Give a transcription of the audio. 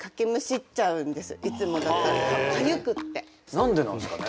何でなんですかね？